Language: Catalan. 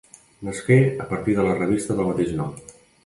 Nasqué a partir de la revista del mateix nom.